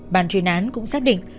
bàn truyền án cũng xác định